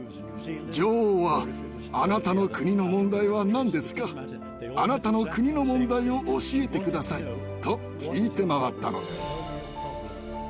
女王は「あなたの国の問題は何ですか？あなたの国の問題を教えて下さい」と聞いて回ったのです。